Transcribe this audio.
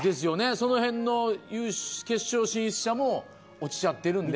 その辺の決勝進出者も落ちちゃってるんで。